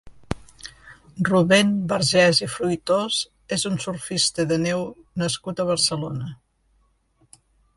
Rubén Vergés i Fruitós és un surfista de neu nascut a Barcelona.